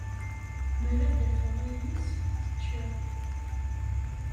Mer ad afeɣ ayis, ad t-ččeɣ.